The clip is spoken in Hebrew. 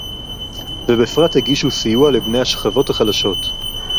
ובפרט הגישו סיוע לבני השכבות החלשות